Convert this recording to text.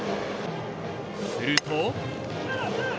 すると。